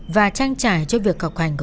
và trang trải cho việc học hành của con cháu